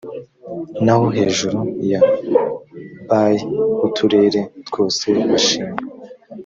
naho hejuru ya by uturere twose bashima